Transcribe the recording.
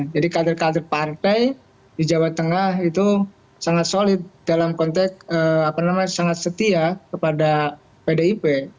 jadi kader kader pantai di jawa tengah itu sangat solid dalam konteks sangat setia kepada pdip